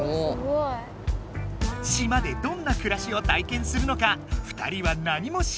島でどんな暮らしを体験するのか２人は何も知らない。